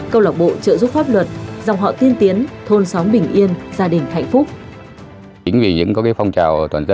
câu lạc bộ trợ giúp pháp luật dòng họ tiên tiến thôn xóm bình yên gia đình hạnh phúc